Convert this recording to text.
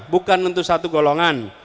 bukan untuk satu golongan